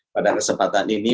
pada kesempatan ini